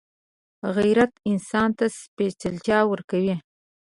غیرت انسان ته سپېڅلتیا ورکوي